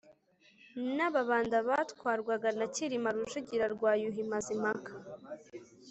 n’Ababanda batwarwaga na Cyilima Rujugira rwa Yuhi Mazimpaka